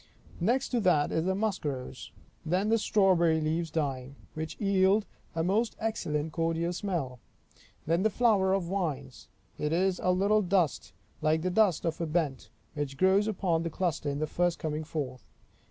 Next to that is the musk rose. Then the strawberry leaves dying, which yield a most excellent cordial smell. Then the flower of vines; it is a little dust, like the dust of a bent, which grows upon the cluster in the first coming forth.